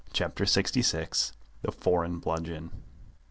CHAPTER LXVI. THE FOREIGN BLUDGEON.